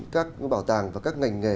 các bảo tàng và các ngành nghề